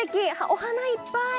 お花いっぱい。